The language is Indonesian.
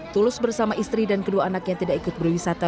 tulus bersama isteri dan kedua anak yang tidak ikut berwisata